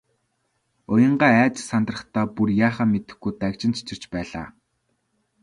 Уянгаа айж сандрахдаа бүр яахаа мэдэхгүй дагжин чичирч байлаа.